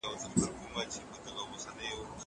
زه پرون د کتابتون د کار مرسته کوم!!